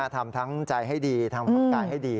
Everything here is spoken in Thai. ทำทั้งใจให้ดีทำความกายให้ดี